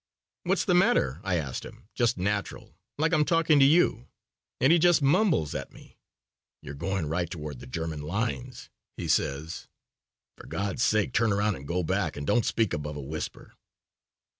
'What's the matter?' I asked him, just natural, like I'm talking to you, and he just mumbles at me. 'You're going right toward the German lines,' he says. 'For God's sake turn round and go back and don't speak above a whisper.'